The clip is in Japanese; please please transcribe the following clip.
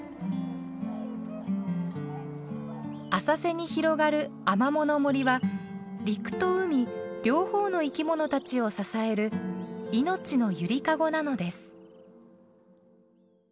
浅瀬に広がるアマモの森は陸と海両方の生き物たちを支える命の揺りかごなのです。